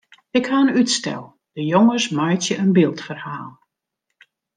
Ik ha in útstel: de jonges meitsje in byldferhaal.